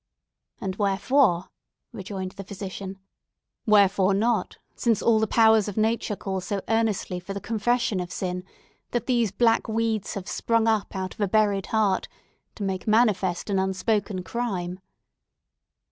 "And wherefore?" rejoined the physician. "Wherefore not; since all the powers of nature call so earnestly for the confession of sin, that these black weeds have sprung up out of a buried heart, to make manifest, an outspoken crime?"